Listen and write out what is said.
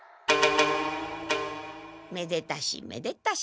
めでたしめでたし。